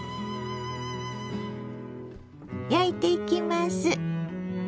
焼いていきます。